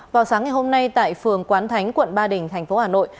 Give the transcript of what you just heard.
vào sáng ngày hôm nay tại phường quán thánh quận ba đình thành phố hà nội